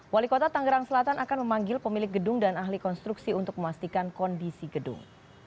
wali kota tanggerang selatan akan memanggil pemilik gedung dan ahli konstruksi untuk memastikan kondisi gedung